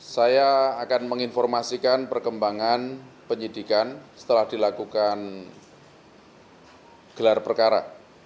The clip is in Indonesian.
saya akan menginformasikan perkembangan penyidikan setelah dilakukan gelar perkara